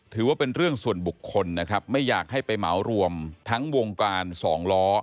ถือว่าเป็นเรื่องส่วนบุคคลนะครับไม่อยากให้ไปเหมารวมทั้งวงการสองล้อ